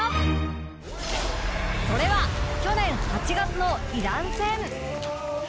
それは去年８月のイラン戦。